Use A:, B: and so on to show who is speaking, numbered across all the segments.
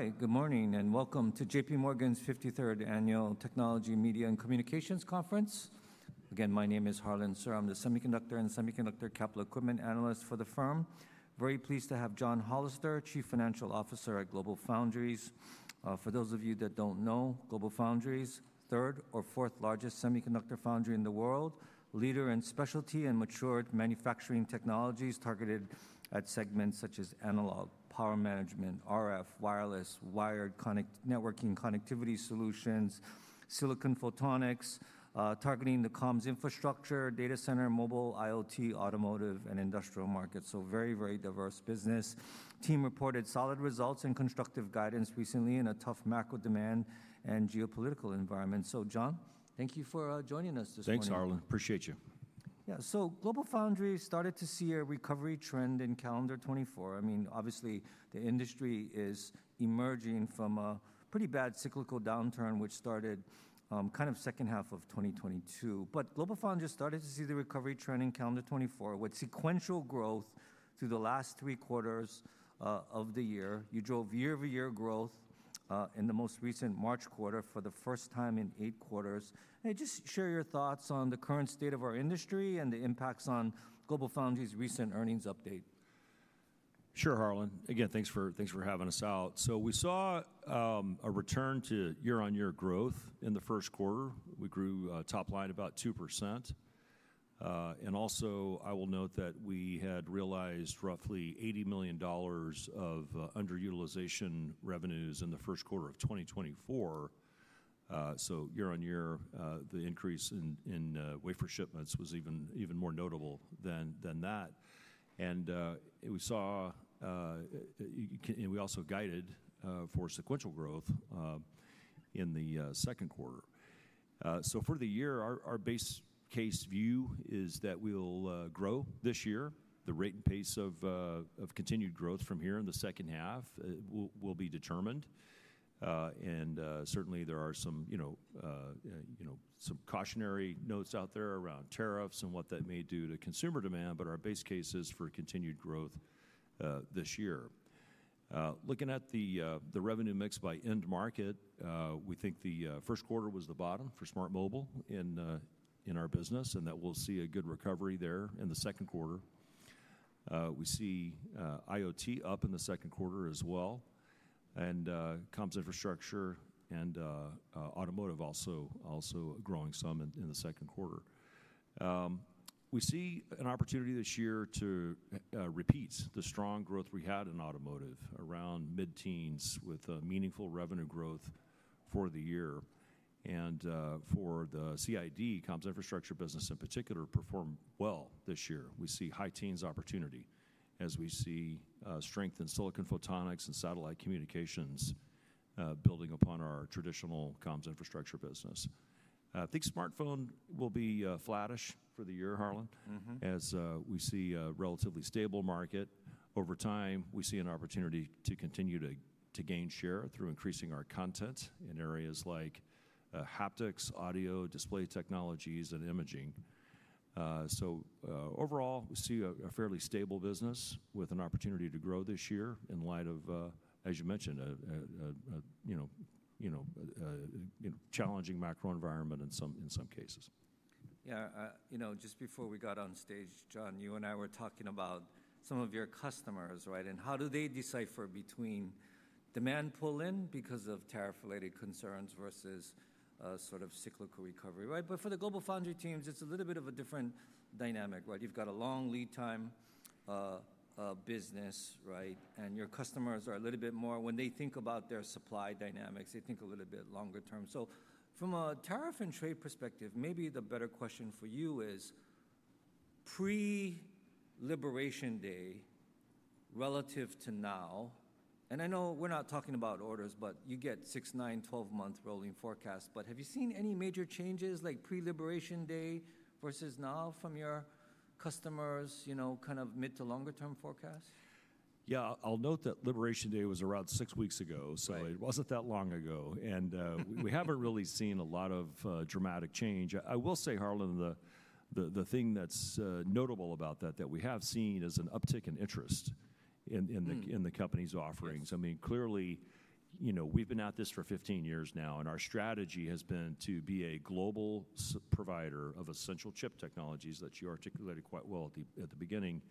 A: All right, good morning and welcome to JPMorgan's 53rd Annual Technology, Media, and Communications onference. Again, my name is Harlan Sur. I'm the Semiconductor and Semiconductor Capital Equipment Analyst for the firm. Very pleased to have John Hollister, Chief Financial Officer at GlobalFoundries. For those of you that don't know, GlobalFoundries is the third or fourth largest semiconductor foundry in the world, a leader in specialty and mature manufacturing technologies targeted at segments such as analog power management, RF, wireless, wired networking, connectivity solutions, silicon photonics, targeting the comms infrastructure, data center, mobile, IoT, automotive, and industrial markets. Very, very diverse business. The team reported solid results and constructive guidance recently in a tough macro demand and geopolitical environment. John, thank you for joining us this morning.
B: Thanks, Harlan. Appreciate you. Yeah,
A: so GlobalFoundries started to see a recovery trend in calendar 2024. I mean, obviously, the industry is emerging from a pretty bad cyclical downturn which started kind of the second half of 2022. GlobalFoundries started to see the recovery trend in calendar 2024 with sequential growth through the last three quarters of the year. You drove year-over-year growth in the most recent March quarter for the first time in eight quarters. Just share your thoughts on the current state of our industry and the impacts on GlobalFoundries' recent earnings update.
B: Sure, Harlan. Again, thanks for having us out. We saw a return to year-on-year growth in the first quarter. We grew top line about 2%. I will note that we had realized roughly $80 million of underutilization revenues in the first quarter of 2024. Year-on-year, the increase in wafer shipments was even more notable than that. We also guided for sequential growth in the second quarter. For the year, our base case view is that we'll grow this year. The rate and pace of continued growth from here in the second half will be determined. Certainly, there are some cautionary notes out there around tariffs and what that may do to consumer demand, but our base case is for continued growth this year. Looking at the revenue mix by end market, we think the first quarter was the bottom for smart mobile in our business and that we'll see a good recovery there in the second quarter. We see IoT up in the second quarter as well. Comms infrastructure and automotive also growing some in the second quarter. We see an opportunity this year to repeat the strong growth we had in automotive around mid-teens with meaningful revenue growth for the year. For the CID, comms infrastructure business in particular, performed well this year. We see high-teens opportunity as we see strength in silicon photonics and satellite communications building upon our traditional comms infrastructure business. I think smartphone will be flattish for the year, Harlan, as we see a relatively stable market. Over time, we see an opportunity to continue to gain share through increasing our content in areas like haptics, audio, display technologies, and imaging. Overall, we see a fairly stable business with an opportunity to grow this year in light of, as you mentioned, a challenging macro environment in some cases.
A: Yeah, you know, just before we got on stage, John, you and I were talking about some of your customers, right? And how do they decipher between demand pull-in because of tariff-related concerns versus sort of cyclical recovery, right? For the GlobalFoundries teams, it's a little bit of a different dynamic, right? You've got a long lead time business, right? Your customers are a little bit more, when they think about their supply dynamics, they think a little bit longer term. From a tariff and trade perspective, maybe the better question for you is pre-liberation day relative to now. I know we're not talking about orders, but you get six, nine, 12-month rolling forecasts. Have you seen any major changes like pre-liberation day versus now from your customers, you know, kind of mid to longer-term forecasts?
B: Yeah, I'll note that Liberation Day was around six weeks ago, so it wasn't that long ago. We haven't really seen a lot of dramatic change. I will say, Harlan, the thing that's notable about that that we have seen is an uptick in interest in the company's offerings. I mean, clearly, you know, we've been at this for 15 years now, and our strategy has been to be a global provider of essential chip technologies that you articulated quite well at the beginning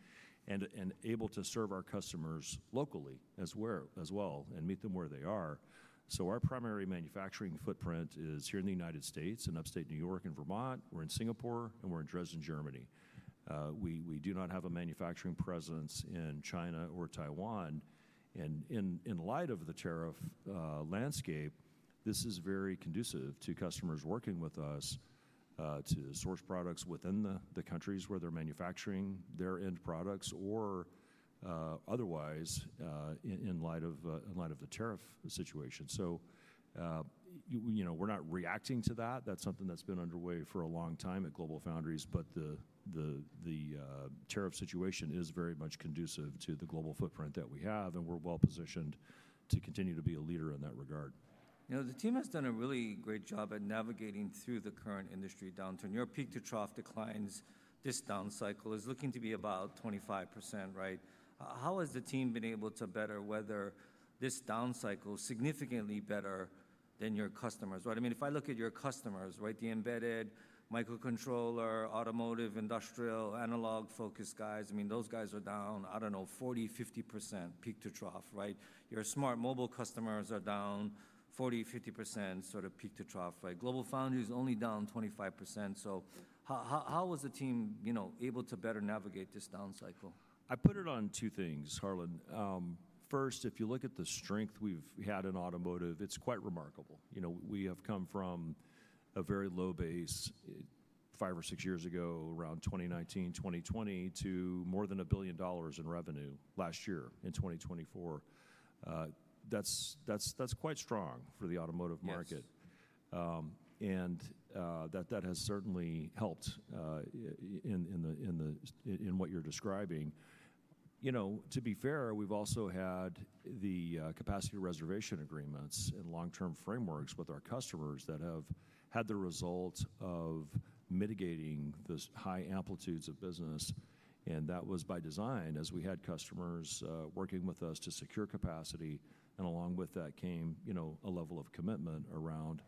B: and able to serve our customers locally as well and meet them where they are. Our primary manufacturing footprint is here in the United States, in upstate New York and Vermont. We're in Singapore, and we're in Dresden, Germany. We do not have a manufacturing presence in China or Taiwan. In light of the tariff landscape, this is very conducive to customers working with us to source products within the countries where they are manufacturing their end products or otherwise in light of the tariff situation. You know, we are not reacting to that. That is something that has been underway for a long time at GlobalFoundries, but the tariff situation is very much conducive to the global footprint that we have, and we are well positioned to continue to be a leader in that regard.
A: You know, the team has done a really great job at navigating through the current industry downturn. Your peak-to-trough declines, this down cycle is looking to be about 25%, right? How has the team been able to better weather this down cycle significantly better than your customers, right? I mean, if I look at your customers, right, the embedded microcontroller, automotive, industrial, analog-focused guys, I mean, those guys are down, I don't know, 40-50% peak-to-trough, right? Your smart mobile customers are down 40-50% sort of peak-to-trough, right? GlobalFoundries only down 25%. How was the team, you know, able to better navigate this down cycle?
B: I put it on two things, Harlan. First, if you look at the strength we've had in automotive, it's quite remarkable. You know, we have come from a very low base five or six years ago, around 2019, 2020, to more than $1 billion in revenue last year in 2024. That's quite strong for the automotive market. That has certainly helped in what you're describing. You know, to be fair, we've also had the capacity reservation agreements and long-term frameworks with our customers that have had the result of mitigating the high amplitudes of business. That was by design as we had customers working with us to secure capacity. Along with that came, you know, a level of commitment around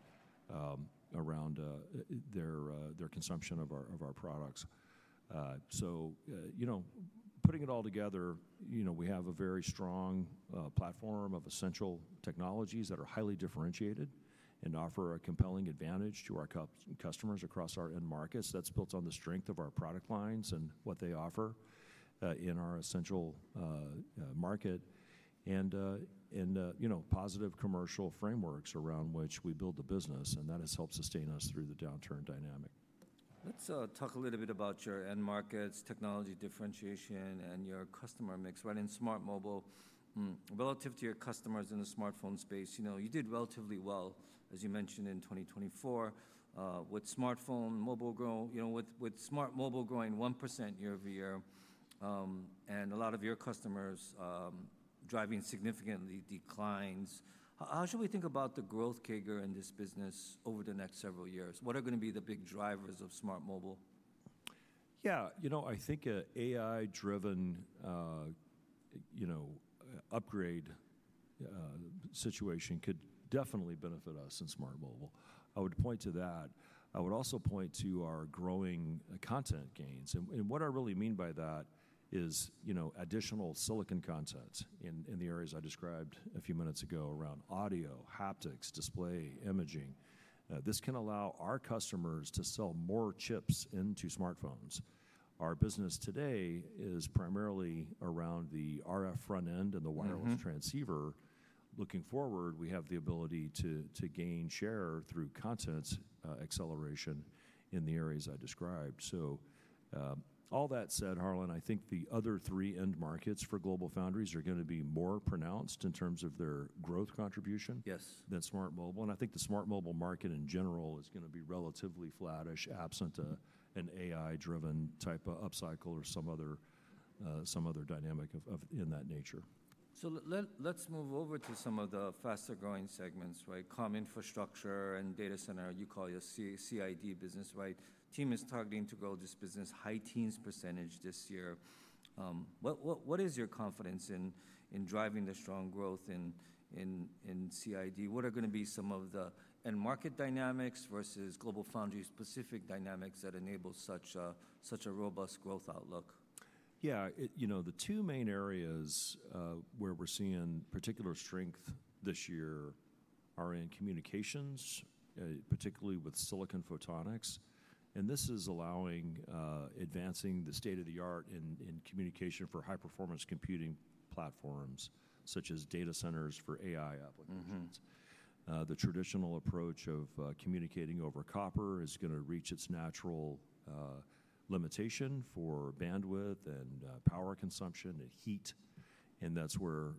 B: their consumption of our products. You know, putting it all together, you know, we have a very strong platform of essential technologies that are highly differentiated and offer a compelling advantage to our customers across our end markets. That is built on the strength of our product lines and what they offer in our essential market and, you know, positive commercial frameworks around which we build the business. That has helped sustain us through the downturn dynamic.
A: Let's talk a little bit about your end markets, technology differentiation, and your customer mix, right? In smart mobile, relative to your customers in the smartphone space, you know, you did relatively well, as you mentioned, in 2024 with smart mobile growing 1% year-over-year and a lot of your customers driving significant declines. How should we think about the growth, CAGR, in this business over the next several years? What are going to be the big drivers of smart mobile?
B: Yeah, you know, I think an AI-driven, you know, upgrade situation could definitely benefit us in smart mobile. I would point to that. I would also point to our growing content gains. And what I really mean by that is, you know, additional silicon content in the areas I described a few minutes ago around audio, haptics, display, imaging. This can allow our customers to sell more chips into smartphones. Our business today is primarily around the RF front end and the wireless transceiver. Looking forward, we have the ability to gain share through content acceleration in the areas I described. All that said, Harlan, I think the other three end markets for GlobalFoundries are going to be more pronounced in terms of their growth contribution than smart mobile. I think the smart mobile market in general is going to be relatively flattish, absent an AI-driven type of upcycle or some other dynamic in that nature.
A: Let's move over to some of the faster-growing segments, right? Com infrastructure and data center, you call your CID business, right? The team is targeting to grow this business high-teens % this year. What is your confidence in driving the strong growth in CID? What are going to be some of the end market dynamics versus GlobalFoundries-specific dynamics that enable such a robust growth outlook?
B: Yeah, you know, the two main areas where we're seeing particular strength this year are in communications, particularly with silicon photonics. This is allowing advancing the state of the art in communication for high-performance computing platforms such as data centers for AI applications. The traditional approach of communicating over copper is going to reach its natural limitation for bandwidth and power consumption and heat. That's where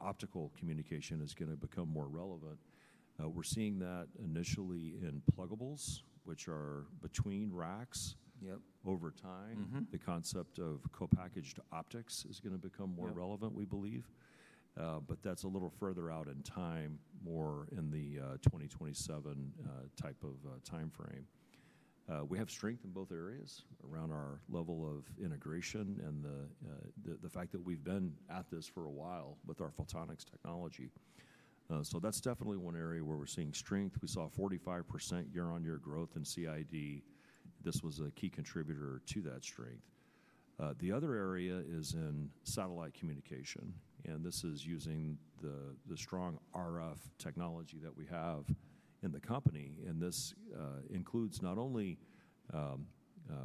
B: optical communication is going to become more relevant. We're seeing that initially in plugables, which are between racks over time. The concept of co-packaged optics is going to become more relevant, we believe. That's a little further out in time, more in the 2027 type of timeframe. We have strength in both areas around our level of integration and the fact that we've been at this for a while with our photonics technology. That's definitely one area where we're seeing strength. We saw 45% year-on-year growth in CID. This was a key contributor to that strength. The other area is in satellite communication. This is using the strong RF technology that we have in the company. This includes not only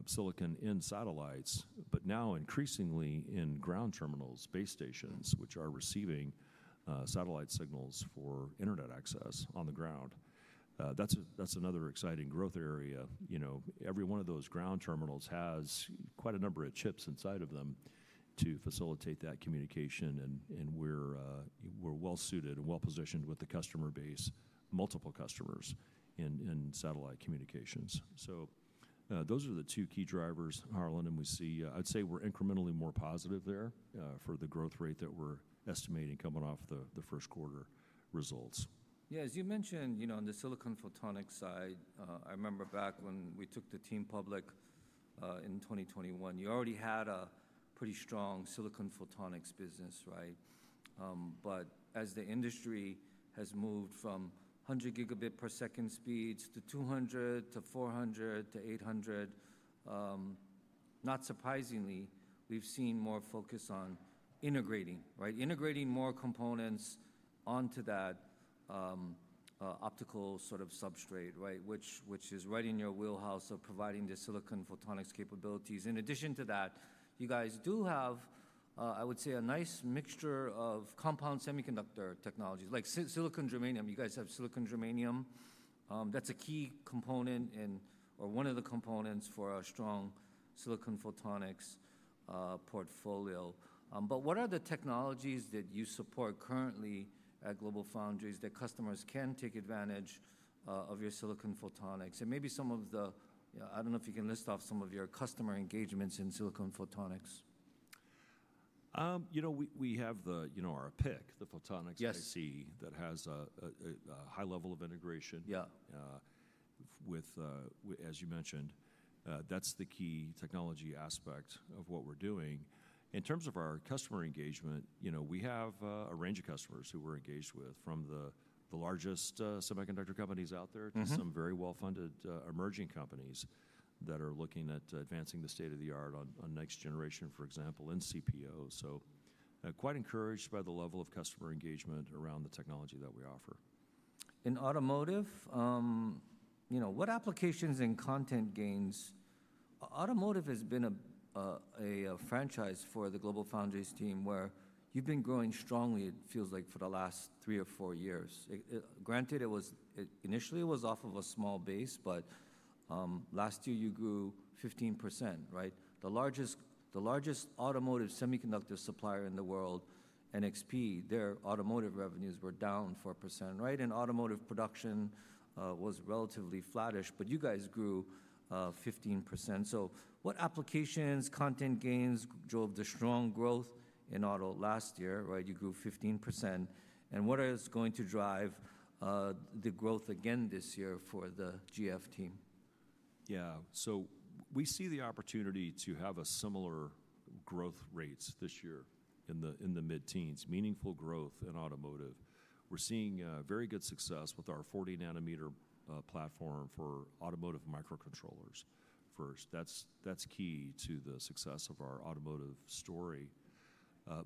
B: silicon in satellites, but now increasingly in ground terminals, base stations, which are receiving satellite signals for internet access on the ground. That's another exciting growth area. You know, every one of those ground terminals has quite a number of chips inside of them to facilitate that communication. We're well-suited and well-positioned with the customer base, multiple customers in satellite communications. Those are the two key drivers, Harlan, and we see, I'd say we're incrementally more positive there for the growth rate that we're estimating coming off the first quarter results.
A: Yeah, as you mentioned, you know, on the silicon photonics side, I remember back when we took the team public in 2021, you already had a pretty strong silicon photonics business, right? As the industry has moved from 100 Gb per second speeds to 200 to 400 to 800, not surprisingly, we've seen more focus on integrating, right? Integrating more components onto that optical sort of substrate, right, which is right in your wheelhouse of providing the silicon photonics capabilities. In addition to that, you guys do have, I would say, a nice mixture of compound semiconductor technologies like silicon germanium. You guys have silicon germanium. That's a key component and/or one of the components for a strong silicon photonics portfolio. What are the technologies that you support currently at GlobalFoundries that customers can take advantage of your silicon photonics? Maybe some of the, I don't know if you can list off some of your customer engagements in silicon photonics.
B: You know, we have the, you know, our PIC, the photonics IC that has a high level of integration with, as you mentioned. That is the key technology aspect of what we are doing. In terms of our customer engagement, you know, we have a range of customers who we are engaged with, from the largest semiconductor companies out there to some very well-funded emerging companies that are looking at advancing the state of the art on next generation, for example, in CPO. Quite encouraged by the level of customer engagement around the technology that we offer.
A: In automotive, you know, what applications and content gains? Automotive has been a franchise for the GlobalFoundries team where you've been growing strongly, it feels like, for the last three or four years. Granted, it was initially off of a small base, but last year you grew 15%, right? The largest automotive semiconductor supplier in the world, NXP, their automotive revenues were down 4%, right? Automotive production was relatively flattish, but you guys grew 15%. What applications, content gains drove the strong growth in auto last year, right? You grew 15%. What is going to drive the growth again this year for the GF team?
B: Yeah, so we see the opportunity to have similar growth rates this year in the mid-teens, meaningful growth in automotive. We're seeing very good success with our 40-nanometer platform for automotive microcontrollers first. That's key to the success of our automotive story.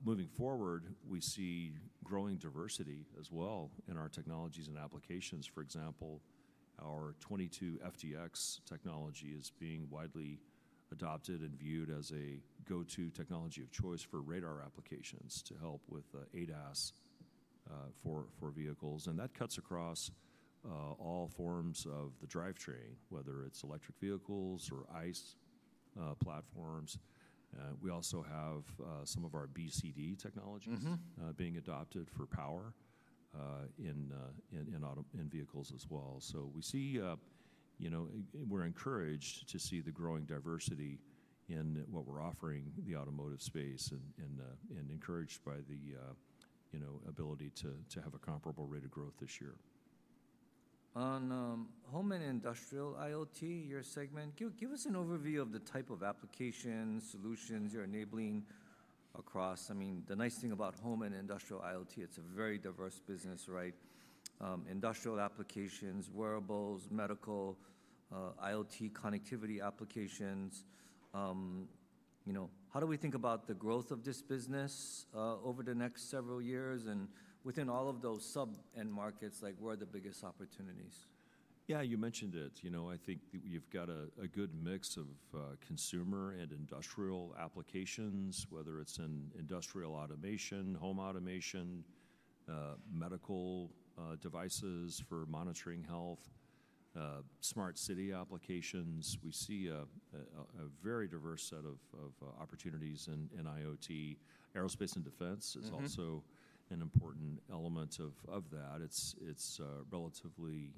B: Moving forward, we see growing diversity as well in our technologies and applications. For example, our 22 FDX technology is being widely adopted and viewed as a go-to technology of choice for radar applications to help with ADAS for vehicles. That cuts across all forms of the drivetrain, whether it's electric vehicles or ICE platforms. We also have some of our BCD technologies being adopted for power in vehicles as well. We see, you know, we're encouraged to see the growing diversity in what we're offering the automotive space and encouraged by the, you know, ability to have a comparable rate of growth this year.
A: On home and industrial IoT, your segment, give us an overview of the type of application solutions you're enabling across. I mean, the nice thing about home and industrial IoT, it's a very diverse business, right? Industrial applications, wearables, medical, IoT connectivity applications. You know, how do we think about the growth of this business over the next several years? And within all of those sub-end markets, like, where are the biggest opportunities?
B: Yeah, you mentioned it. You know, I think you've got a good mix of consumer and industrial applications, whether it's in industrial automation, home automation, medical devices for monitoring health, smart city applications. We see a very diverse set of opportunities in IoT. Aerospace and defense is also an important element of that. It's relatively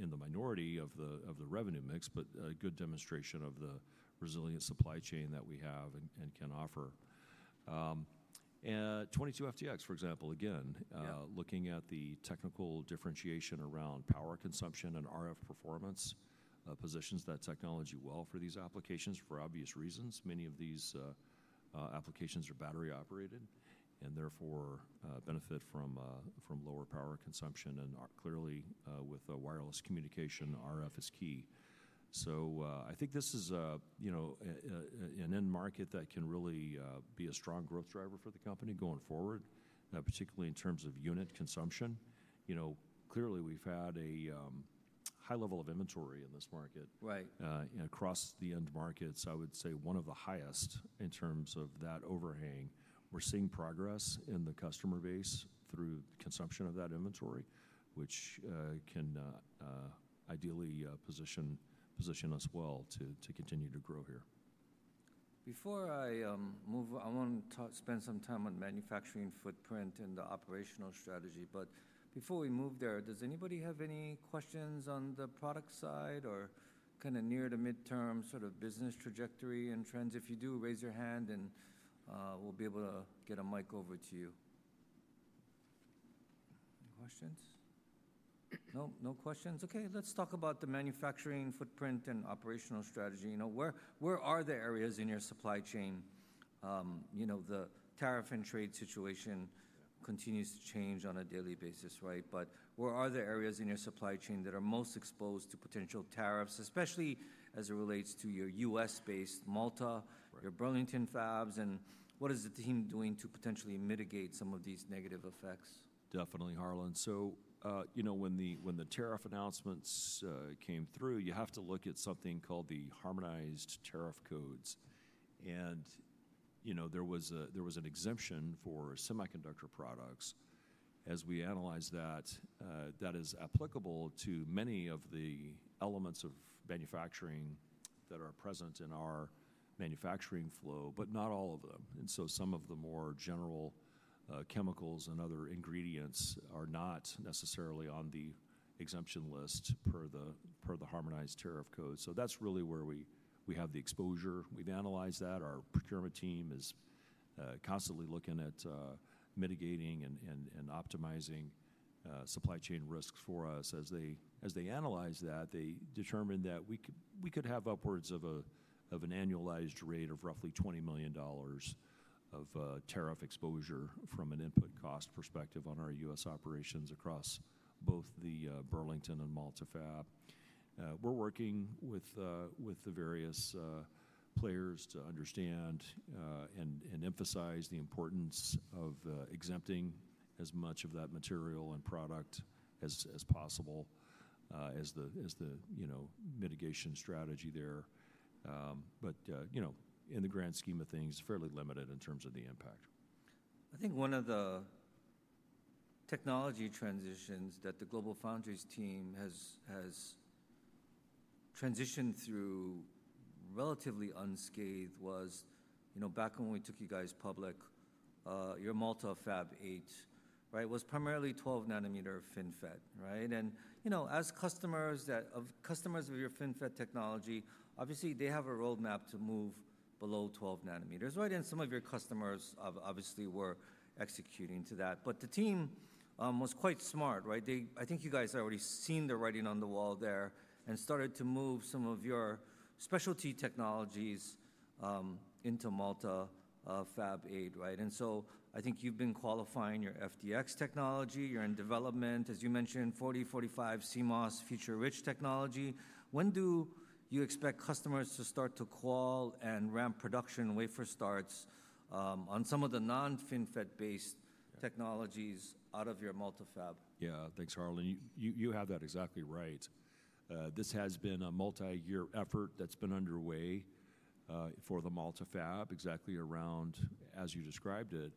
B: in the minority of the revenue mix, but a good demonstration of the resilient supply chain that we have and can offer. 22 FDX, for example, again, looking at the technical differentiation around power consumption and RF performance, positions that technology well for these applications for obvious reasons. Many of these applications are battery operated and therefore benefit from lower power consumption. Clearly, with wireless communication, RF is key. I think this is, you know, an end market that can really be a strong growth driver for the company going forward, particularly in terms of unit consumption. You know, clearly, we've had a high level of inventory in this market across the end markets. I would say one of the highest in terms of that overhang. We're seeing progress in the customer base through consumption of that inventory, which can ideally position us well to continue to grow here.
A: Before I move, I want to spend some time on manufacturing footprint and the operational strategy. Before we move there, does anybody have any questions on the product side or kind of near the midterm sort of business trajectory and trends? If you do, raise your hand and we'll be able to get a mic over to you. Any questions? No questions? Okay, let's talk about the manufacturing footprint and operational strategy. You know, where are the areas in your supply chain? You know, the tariff and trade situation continues to change on a daily basis, right? Where are the areas in your supply chain that are most exposed to potential tariffs, especially as it relates to your U.S.-based Malta, your Burlington fabs? What is the team doing to potentially mitigate some of these negative effects?
B: Definitely, Harlan. You know, when the tariff announcements came through, you have to look at something called the harmonized tariff codes. You know, there was an exemption for semiconductor products. As we analyze that, that is applicable to many of the elements of manufacturing that are present in our manufacturing flow, but not all of them. Some of the more general chemicals and other ingredients are not necessarily on the exemption list per the harmonized tariff code. That is really where we have the exposure. We have analyzed that. Our procurement team is constantly looking at mitigating and optimizing supply chain risks for us. As they analyze that, they determined that we could have upwards of an annualized rate of roughly $20 million of tariff exposure from an input cost perspective on our U.S. operations across both the Burlington and Malta fab. We're working with the various players to understand and emphasize the importance of exempting as much of that material and product as possible as the, you know, mitigation strategy there. You know, in the grand scheme of things, fairly limited in terms of the impact.
A: I think one of the technology transitions that the GlobalFoundries team has transitioned through relatively unscathed was, you know, back when we took you guys public, your Malta Fab 8, right, was primarily 12-nanometer FinFET, right? And, you know, as customers of your FinFET technology, obviously, they have a roadmap to move below 12 nanometers, right? And some of your customers obviously were executing to that. The team was quite smart, right? I think you guys had already seen the writing on the wall there and started to move some of your specialty technologies into Malta Fab 8, right? I think you've been qualifying your FDX technology. You're in development, as you mentioned, 40, 45 CMOS feature-rich technology. When do you expect customers to start to call and ramp production wafer starts on some of the non-FinFET-based technologies out of your Malta Fab?
B: Yeah, thanks, Harlan. You have that exactly right. This has been a multi-year effort that's been underway for the Malta fab exactly around, as you described it.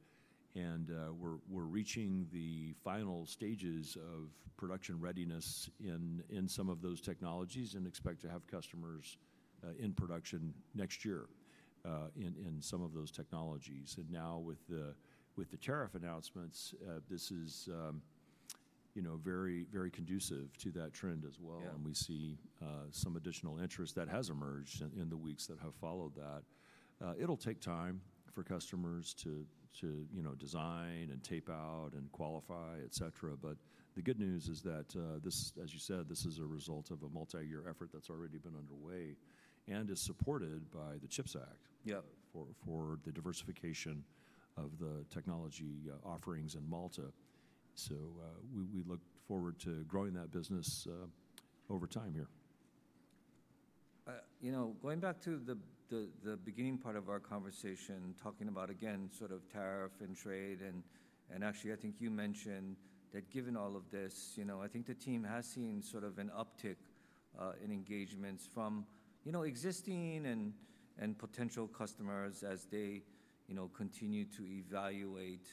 B: We are reaching the final stages of production readiness in some of those technologies and expect to have customers in production next year in some of those technologies. Now, with the tariff announcements, this is, you know, very, very conducive to that trend as well. We see some additional interest that has emerged in the weeks that have followed that. It'll take time for customers to, you know, design and tape out and qualify, et cetera. The good news is that this, as you said, is a result of a multi-year effort that's already been underway and is supported by the CHIPS Act for the diversification of the technology offerings in Malta. We look forward to growing that business over time here.
A: You know, going back to the beginning part of our conversation, talking about, again, sort of tariff and trade. Actually, I think you mentioned that given all of this, you know, I think the team has seen sort of an uptick in engagements from, you know, existing and potential customers as they, you know, continue to evaluate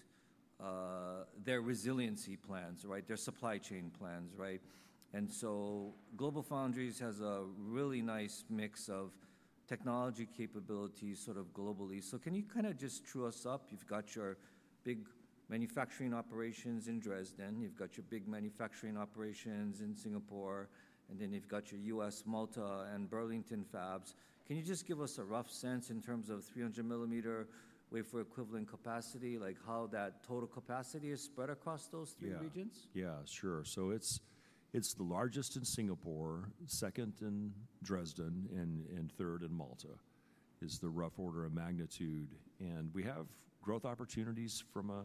A: their resiliency plans, right, their supply chain plans, right? GlobalFoundries has a really nice mix of technology capabilities sort of globally. Can you kind of just true us up? You've got your big manufacturing operations in Dresden. You've got your big manufacturing operations in Singapore. Then you've got your U.S., Malta, and Burlington fabs. Can you just give us a rough sense in terms of 300-millimeter wafer equivalent capacity, like how that total capacity is spread across those three regions?
B: Yeah, sure. It is the largest in Singapore, second in Dresden, and third in Malta is the rough order of magnitude. We have growth opportunities from a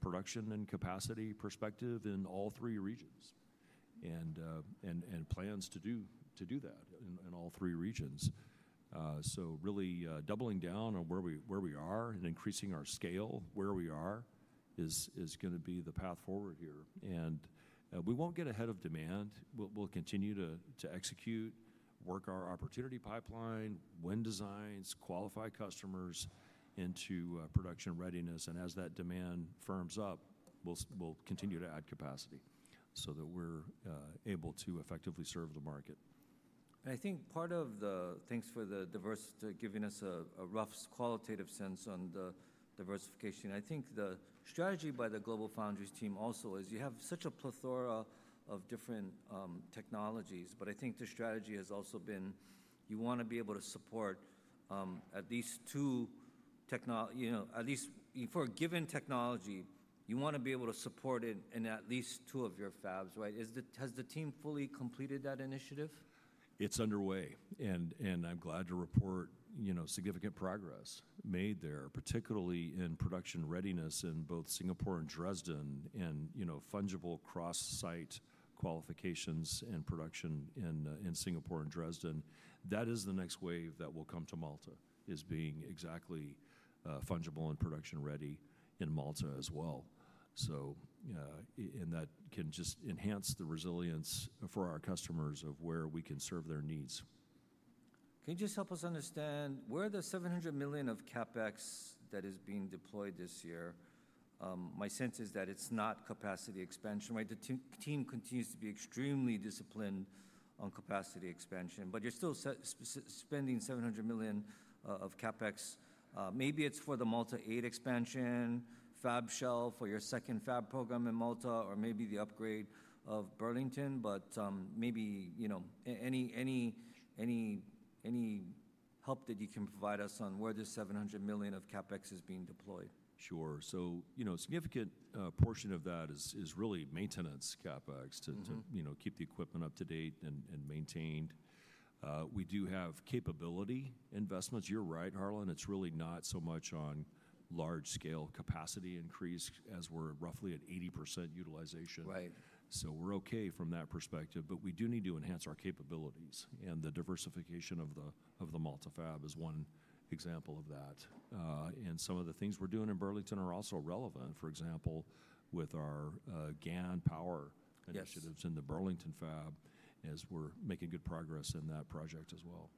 B: production and capacity perspective in all three regions and plans to do that in all three regions. Really doubling down on where we are and increasing our scale where we are is going to be the path forward here. We will not get ahead of demand. We will continue to execute, work our opportunity pipeline, win designs, qualify customers into production readiness. As that demand firms up, we will continue to add capacity so that we are able to effectively serve the market.
A: I think part of the thanks for the diverse giving us a rough qualitative sense on the diversification. I think the strategy by the GlobalFoundries team also is you have such a plethora of different technologies, but I think the strategy has also been you want to be able to support at least two, you know, at least for a given technology, you want to be able to support in at least two of your fabs, right? Has the team fully completed that initiative?
B: It's underway. I'm glad to report, you know, significant progress made there, particularly in production readiness in both Singapore and Dresden, and, you know, fungible cross-site qualifications and production in Singapore and Dresden. That is the next wave that will come to Malta, being exactly fungible and production ready in Malta as well. That can just enhance the resilience for our customers of where we can serve their needs.
A: Can you just help us understand where the $700 million of CapEx that is being deployed this year? My sense is that it's not capacity expansion, right? The team continues to be extremely disciplined on capacity expansion, but you're still spending $700 million of CapEx. Maybe it's for the Malta 8 expansion, Fab Shell for your second fab program in Malta, or maybe the upgrade of Burlington, but maybe, you know, any help that you can provide us on where the $700 million of CapEx is being deployed.
B: Sure. So, you know, a significant portion of that is really maintenance CapEx to, you know, keep the equipment up to date and maintained. We do have capability investments. You're right, Harlan. It's really not so much on large-scale capacity increase as we're roughly at 80% utilization. We're okay from that perspective, but we do need to enhance our capabilities. The diversification of the Malta fab is one example of that. Some of the things we're doing in Burlington are also relevant, for example, with our GaN power initiatives in the Burlington fab as we're making good progress in that project as well.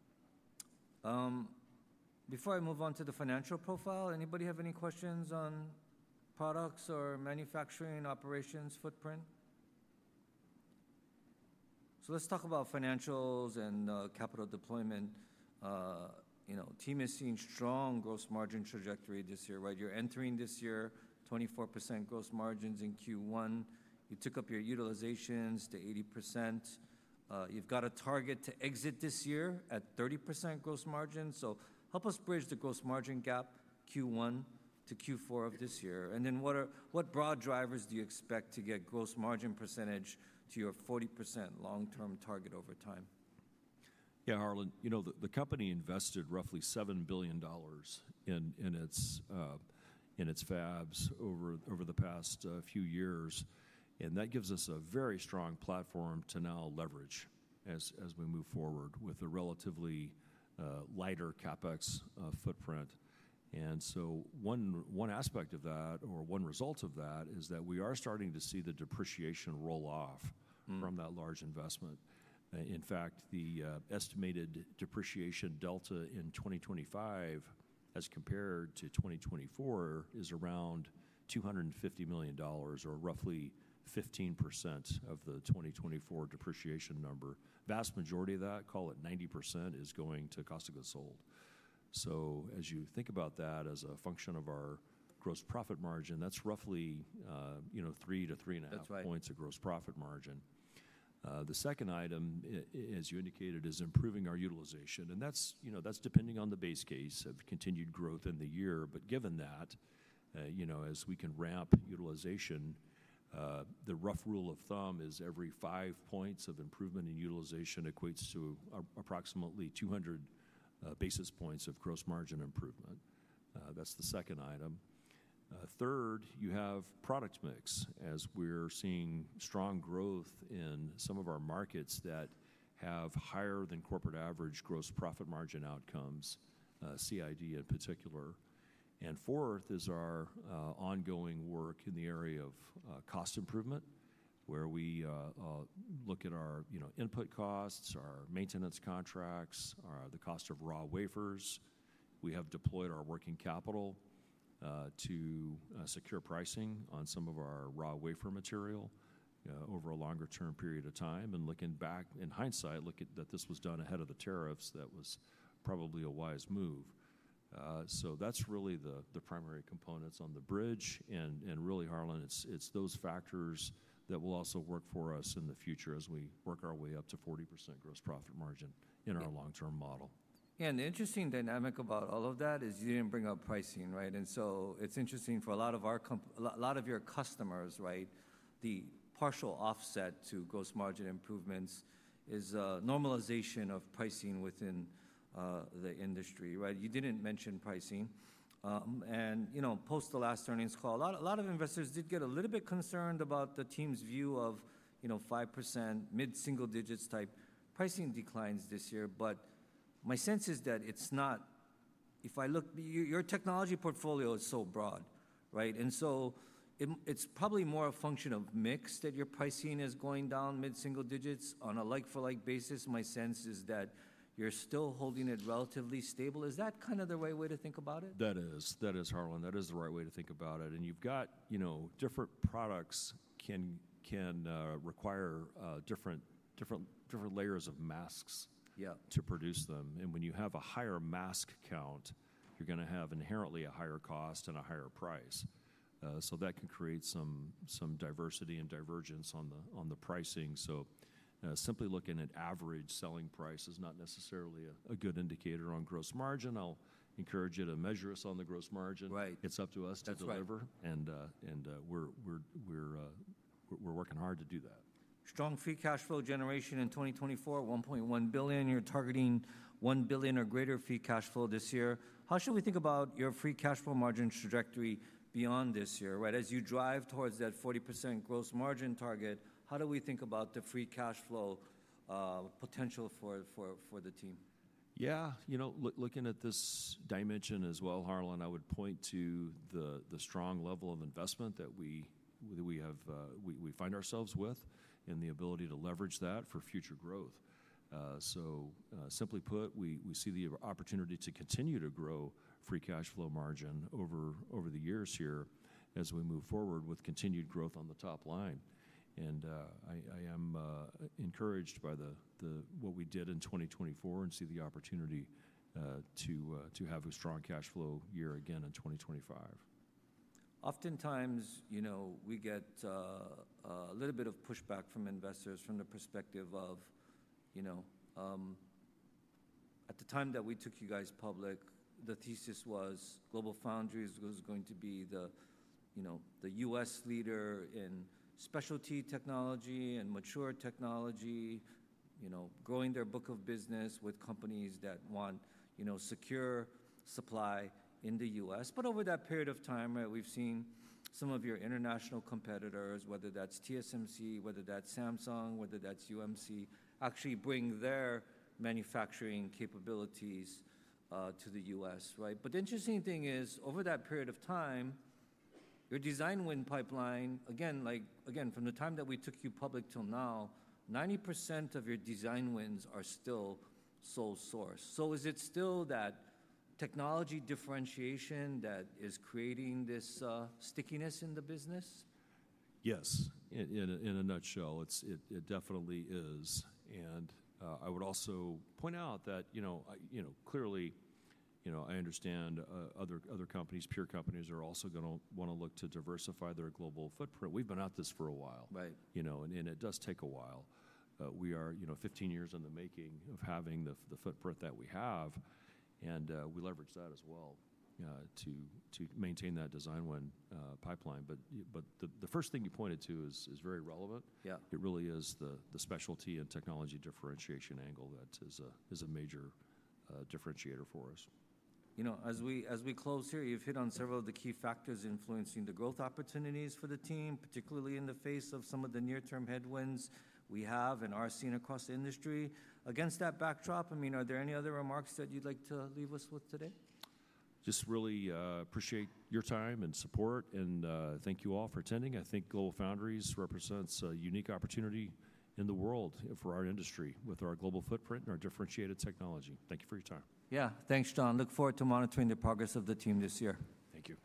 A: Before I move on to the financial profile, anybody have any questions on products or manufacturing operations footprint? Let's talk about financials and capital deployment. You know, team is seeing strong gross margin trajectory this year, right? You're entering this year 24% gross margins in Q1. You took up your utilizations to 80%. You've got a target to exit this year at 30% gross margin. Help us bridge the gross margin gap Q1 to Q4 of this year. What broad drivers do you expect to get gross margin percentage to your 40% long-term target over time?
B: Yeah, Harlan, you know, the company invested roughly $7 billion in its fabs over the past few years. That gives us a very strong platform to now leverage as we move forward with a relatively lighter CapEx footprint. One aspect of that or one result of that is that we are starting to see the depreciation roll off from that large investment. In fact, the estimated depreciation delta in 2025 as compared to 2024 is around $250 million or roughly 15% of the 2024 depreciation number. Vast majority of that, call it 90%, is going to cost of goods sold. As you think about that as a function of our gross profit margin, that's roughly, you know, three to three and a half points of gross profit margin. The second item, as you indicated, is improving our utilization. That is, you know, that is depending on the base case of continued growth in the year. Given that, you know, as we can ramp utilization, the rough rule of thumb is every five points of improvement in utilization equates to approximately 200 basis points of gross margin improvement. That is the second item. Third, you have product mix as we are seeing strong growth in some of our markets that have higher than corporate average gross profit margin outcomes, CID in particular. Fourth is our ongoing work in the area of cost improvement where we look at our, you know, input costs, our maintenance contracts, the cost of raw wafers. We have deployed our working capital to secure pricing on some of our raw wafer material over a longer-term period of time. Looking back in hindsight, look at that this was done ahead of the tariffs, that was probably a wise move. That is really the primary components on the bridge. Really, Harlan, it is those factors that will also work for us in the future as we work our way up to 40% gross profit margin in our long-term model.
A: Yeah, and the interesting dynamic about all of that is you did not bring up pricing, right? It is interesting for a lot of our, a lot of your customers, right? The partial offset to gross margin improvements is normalization of pricing within the industry, right? You did not mention pricing. You know, post the last earnings call, a lot of investors did get a little bit concerned about the team's view of, you know, 5% mid-single digits type pricing declines this year. My sense is that it is not, if I look, your technology portfolio is so broad, right? It is probably more a function of mix that your pricing is going down mid-single digits on a like-for-like basis. My sense is that you are still holding it relatively stable. Is that kind of the right way to think about it?
B: That is. That is, Harlan. That is the right way to think about it. You have, you know, different products can require different layers of masks to produce them. When you have a higher mask count, you are going to have inherently a higher cost and a higher price. That can create some diversity and divergence on the pricing. Simply looking at average selling price is not necessarily a good indicator on gross margin. I will encourage you to measure us on the gross margin. It is up to us to deliver. We are working hard to do that.
A: Strong free cash flow generation in 2024, $1.1 billion. You're targeting $1 billion or greater free cash flow this year. How should we think about your free cash flow margin trajectory beyond this year, right? As you drive towards that 40% gross margin target, how do we think about the free cash flow potential for the team?
B: Yeah, you know, looking at this dimension as well, Harlan, I would point to the strong level of investment that we find ourselves with and the ability to leverage that for future growth. Simply put, we see the opportunity to continue to grow free cash flow margin over the years here as we move forward with continued growth on the top line. I am encouraged by what we did in 2024 and see the opportunity to have a strong cash flow year again in 2025.
A: Oftentimes, you know, we get a little bit of pushback from investors from the perspective of, you know, at the time that we took you guys public, the thesis was GlobalFoundries was going to be the, you know, the U.S. leader in specialty technology and mature technology, you know, growing their book of business with companies that want, you know, secure supply in the U.S. Over that period of time, right, we've seen some of your international competitors, whether that's TSMC, whether that's Samsung, whether that's UMC, actually bring their manufacturing capabilities to the U.S., right? The interesting thing is that over that period of time, your design win pipeline, again, like again, from the time that we took you public till now, 90% of your design wins are still sole source. Is it still that technology differentiation that is creating this stickiness in the business?
B: Yes, in a nutshell, it definitely is. I would also point out that, you know, clearly, you know, I understand other companies, peer companies are also going to want to look to diversify their global footprint. We've been at this for a while, you know, and it does take a while. We are, you know, 15 years in the making of having the footprint that we have. We leverage that as well to maintain that design win pipeline. The first thing you pointed to is very relevant. It really is the specialty and technology differentiation angle that is a major differentiator for us.
A: You know, as we close here, you've hit on several of the key factors influencing the growth opportunities for the team, particularly in the face of some of the near-term headwinds we have and are seeing across the industry. Against that backdrop, I mean, are there any other remarks that you'd like to leave us with today?
B: Just really appreciate your time and support. Thank you all for attending. I think GlobalFoundries represents a unique opportunity in the world for our industry with our global footprint and our differentiated technology. Thank you for your time.
A: Yeah, thanks, John. Look forward to monitoring the progress of the team this year.
B: Thank you.